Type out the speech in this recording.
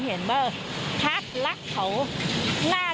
คุณประสิทธิ์ทราบรึเปล่าคะว่า